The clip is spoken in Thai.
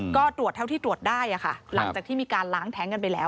ก็ตรวจเท่าที่ตรวจได้ค่ะหลังจากที่มีการล้างแท้งกันไปแล้ว